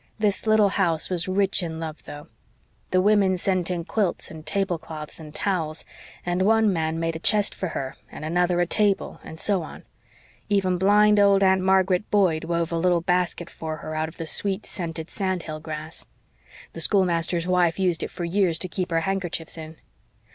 This little house was rich in love, though. The women sent in quilts and tablecloths and towels, and one man made a chest for her, and another a table and so on. Even blind old Aunt Margaret Boyd wove a little basket for her out of the sweet scented sand hill grass. The schoolmaster's wife used it for years to keep her handkerchiefs in.